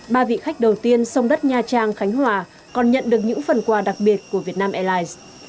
ba vị khách đầu tiên song đất nha trang khánh hòa còn nhận được những phần quà đặc biệt của việt nam airlines